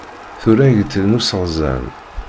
Turagt n useɣẓan.